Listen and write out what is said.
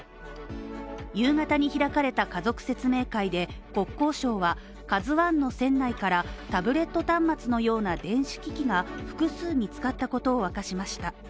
夕方に開かれた家族説明会で、国交省は、「ＫＡＺＵ１」の船内からタブレット端末のような電子機器が複数見つかったことを明かしました。